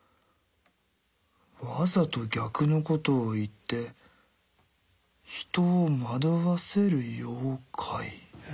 「わざと逆のことを言って人を惑わせる妖怪」？